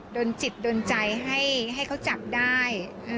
โดนจิตโดนใจให้เขาจับได้